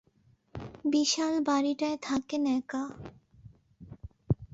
বিশাল বাড়িটায় থাকেন একা।